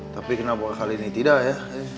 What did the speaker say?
tapi kenapa kali ini tidak ya